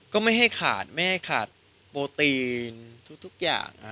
ก็ไม่ให้ขาดโปรตีนทุกอย่าง